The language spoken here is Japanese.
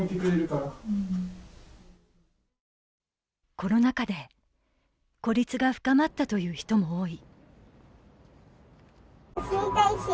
コロナ禍で孤立が深まったという人も多い。